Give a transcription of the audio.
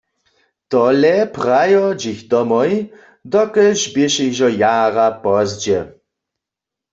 Tole prajo dźěch domoj, dokelž běše hižo jara pozdźe.